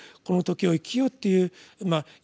この「時」を生きようっていうまあ